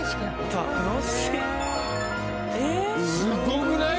すごくない？